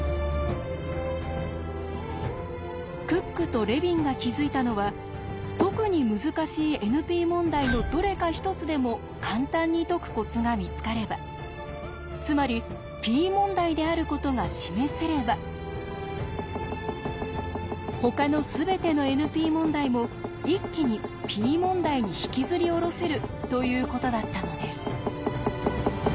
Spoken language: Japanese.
クックとレビンが気付いたのは特に難しいＮＰ問題のつまりＰ問題であることが示せればほかのすべてのＮＰ問題も一気にＰ問題に引きずり下ろせるということだったのです。